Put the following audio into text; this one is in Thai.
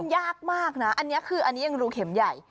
เลยก็ยากมากนะอันนี้ก็รูเข็มใหญ่